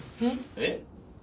えっ。